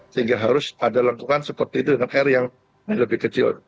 sehingga harus ada lengkukan seperti itu dengan air yang lebih kecil